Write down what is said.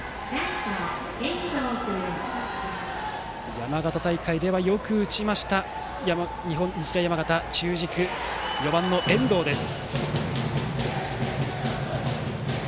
山形大会では、よく打ちました日大山形、中軸４番の遠藤です。